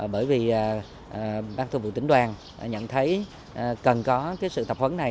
bởi vì bác thư vụ tỉnh đoàn nhận thấy cần có sự tập huấn này